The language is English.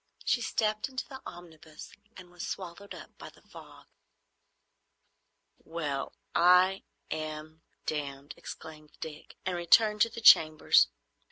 She stepped into the omnibus and was swallowed up by the fog. "Well—I—am—damned!" exclaimed Dick, and returned to the chambers.